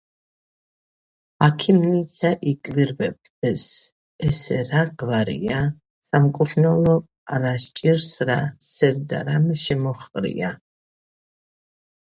აქიმნიცა იკვირვებდეს: ესე რა გვარია? სამკურნალო არა სჭირს რა სევდა რამე შემოჰყრია.